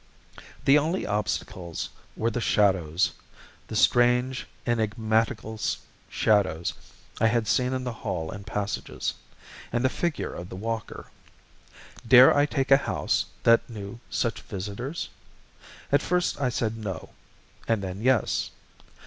The only obstacles were the shadows the strange, enigmatical shadows I had seen in the hall and passages, and the figure of the walker. Dare I take a house that knew such visitors? At first I said no, and then yes.